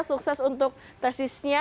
sukses untuk tesisnya